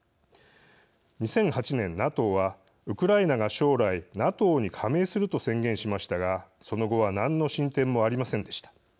２００８年、ＮＡＴＯはウクライナが将来ＮＡＴＯに加盟すると宣言しましたがその後は何の進展もありませんでした。